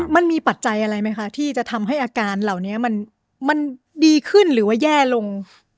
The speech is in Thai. ปัจจัยอะไรไหมคะที่จะทำให้อาการเหล่านี้มันดีขึ้นหรือว่าแย่ลง